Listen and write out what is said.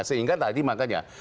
sehingga tadi makanya